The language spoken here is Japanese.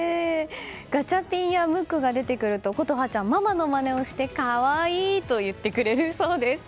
ガチャピンやムックが出てくると琴葉ちゃんママのまねをして、可愛いー！と言ってくれるそうです。